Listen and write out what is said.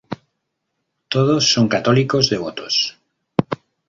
Todos son católicos devotos.